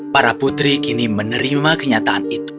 para putri kini menerima kenyataan itu